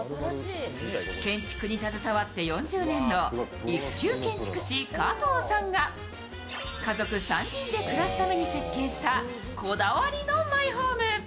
建築に携わって４０年の一級建築士・加藤さんが家族３人で暮らすために設計したこだわりのマイホーム。